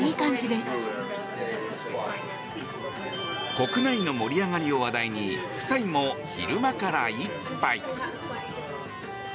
国内の盛り上がりを話題に夫妻も昼間から１杯。